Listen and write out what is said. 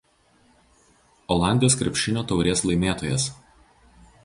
Olandijos krepšinio taurės laimėtojas.